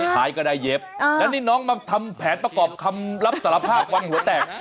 ท้ายก็ได้เย็บแล้วนี่น้องมาทำแผนประกอบคำรับสารภาพวันหัวแตก